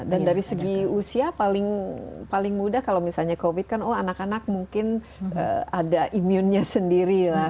dan dari segi usia paling mudah kalau misalnya covid kan anak anak mungkin ada imunnya sendiri lah